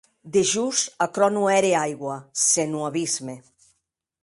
Dejós, aquerò non ère aigua, senon abisme.